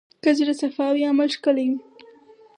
که زړه صفا وي، عمل ښکلی وي.